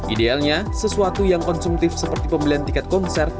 idealnya sesuatu yang konsumtif seperti pembelian tiket konser